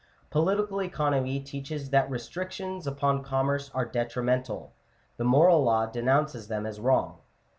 Po litical economy teaches that restrictions upon commerce are detrimental : the moral law denounces them as wrong (Chap.